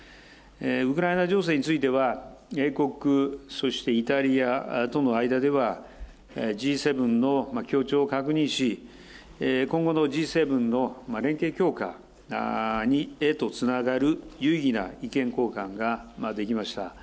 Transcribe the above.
ウクライナ情勢については、英国、そしてイタリアとの間では、Ｇ７の協調を確認し、今後のＧ７の連携強化へとつながる有意義な意見交換ができました。